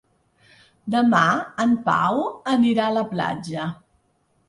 Demà en Pau anirà a la platja.